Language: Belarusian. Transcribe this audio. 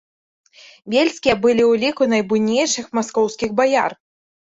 Бельскія былі ў ліку найбуйнейшых маскоўскіх баяр.